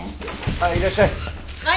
あっいらっしゃい。